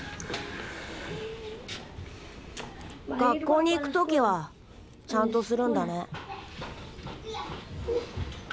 学校に行く時はちゃんとするんだね。